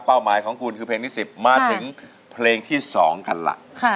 หมายของคุณคือเพลงที่๑๐มาถึงเพลงที่๒กันล่ะ